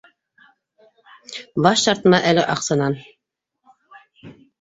— Баш тартма әле аҡсанан